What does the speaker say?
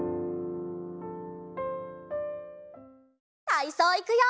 たいそういくよ！